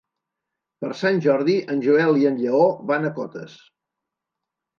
Per Sant Jordi en Joel i en Lleó van a Cotes.